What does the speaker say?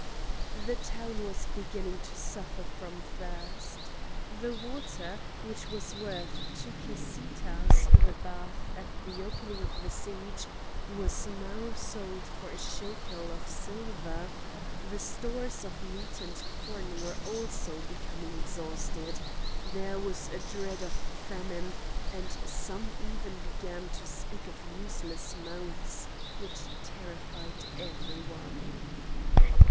The town was beginning to suffer from thirst. The water which was worth two kesitahs the bath at the opening of the siege was now sold for a shekel of silver; the stores of meat and corn were also becoming exhausted; there was a dread of famine, and some even began to speak of useless mouths, which terrified every one.